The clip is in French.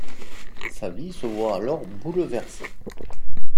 Sa vie se voit alors bouleversée.